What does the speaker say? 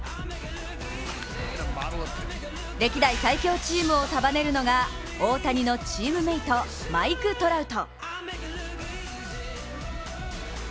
歴代最強チームを束ねるのが大谷のチームメイト、マイク・トラウト。